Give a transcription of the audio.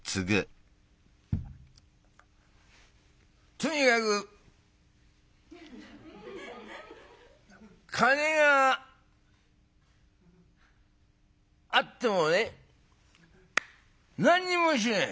「とにかく金があってもね何にもしねえ。